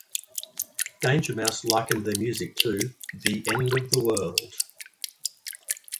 Danger Mouse likened their music to "the end of the world".